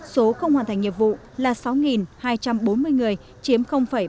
số không hoàn thành nhiệm vụ là sáu hai trăm bốn mươi người chiếm ba mươi